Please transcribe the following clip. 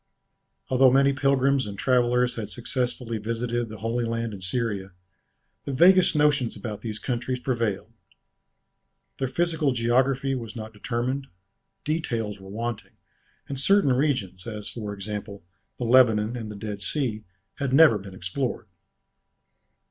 Although many pilgrims and travellers had successively visited the Holy Land and Syria, the vaguest notions about these countries prevailed. Their physical geography was not determined, details were wanting, and certain regions, as for example, the Lebanon and the Dead Sea had never been explored.